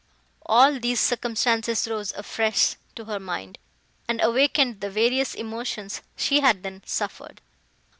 All these circumstances rose afresh to her mind, and awakened the various emotions she had then suffered.